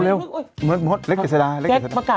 เร็วเล็กเจสซิดาโทรมาคา